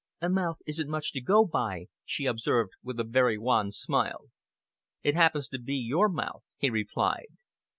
"A mouth isn't much to go by," she observed, with a very wan smile. "It happens to be your mouth," he replied.